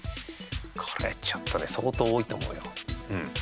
これちょっとね、相当多いと思うよ、うん。